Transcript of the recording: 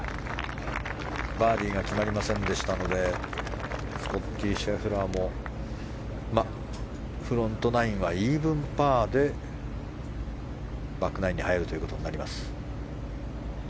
バーディーが決まりませんでしたのでスコッティ・シェフラーもフロントナインはイーブンパーでバックナインに入るということになります。